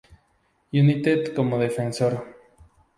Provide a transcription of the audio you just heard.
United como defensor.